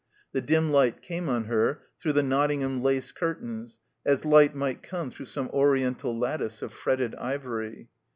The dim light came on her through the Nottingham lace curtains, as light might come through some Oriental lattice of fretted ivory.